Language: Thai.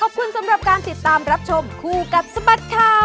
ขอบคุณสำหรับการติดตามรับชมคู่กับสบัดข่าว